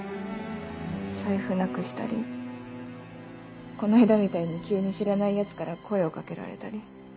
財布なくしたりこの間みたいに急に知らないヤツから声を掛けられたり。